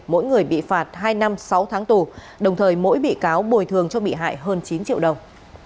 mỗi người bị phạt hai năm sáu tháng tù đồng thời mỗi bị cáo bồi thường cho bị hại hơn chín triệu đồng